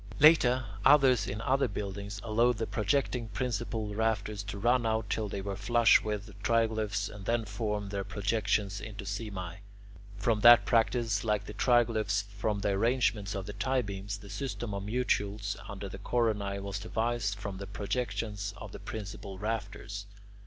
Later, others in other buildings allowed the projecting principal rafters to run out till they were flush with the triglyphs, and then formed their projections into simae. From that practice, like the triglyphs from the arrangement of the tie beams, the system of mutules under the coronae was devised from the projections of the principal rafters.